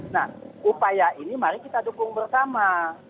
nah upaya ini mari kita dukung bersama